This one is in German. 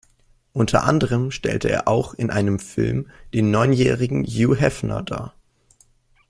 Unter anderem stellte er auch in einem Film den neunjährigen Hugh Hefner dar.